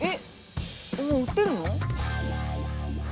もう売ってるの？